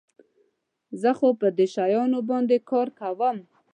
زه خو په دې شیانو باندي کار کوم.